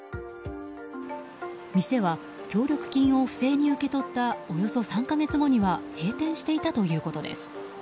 店は、協力金を不正に受け取ったおよそ３か月後には閉店していたということです。